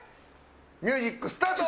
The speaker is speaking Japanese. ミュージックスタート！